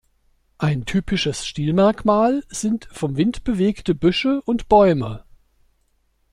Ein typisches Stilmerkmal sind vom Wind bewegte Büsche und Bäume.